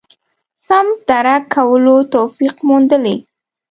سم درک کولو توفیق موندلي.